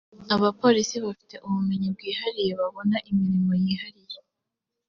abapolisi bafite ubumenyi bwihariye babona imirimo yihariye